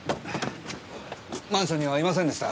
マンションにはいませんでした。